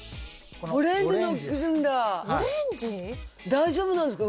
大丈夫なんですか？